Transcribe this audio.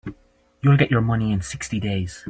You'll get your money in sixty days.